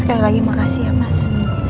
sekali lagi makasih ya mas